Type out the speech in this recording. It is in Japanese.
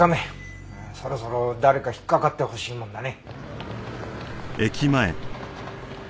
そろそろ誰か引っかかってほしいもんだね。